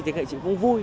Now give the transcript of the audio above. thì nghệ sĩ cũng vui